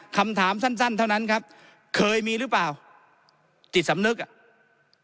คำถามสั้นสั้นเท่านั้นครับเคยมีหรือเปล่าจิตสำนึกอ่ะ